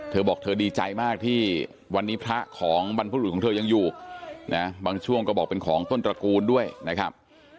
เธอบอกเธอดีใจมากที่วันนี้พระของบรรพรุษของเธอยังอยู่นะบางช่วงก็บอกเป็นของต้นตระกูลด้วยนะครับ